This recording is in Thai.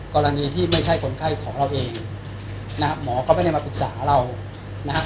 กรณีที่ไม่ใช่คนไข้ของเราเองนะฮะหมอก็ไม่ได้มาปรึกษาเรานะฮะ